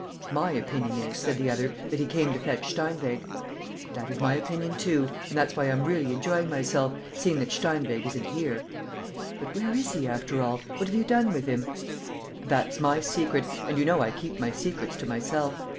"My opinion is," said the other, "that he came to fetch Steinweg." "That is my opinion, too; and that's why I'm really enjoying myself, seeing that Steinweg isn't here." "But where is he, after all? What have you done with him?" "That's my secret; and you know I keep my secrets to myself.